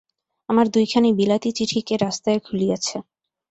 আমার দুইখানি বিলাতী চিঠি কে রাস্তায় খুলিয়াছে।